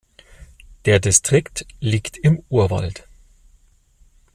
Der Distrikt liegt im Urwald.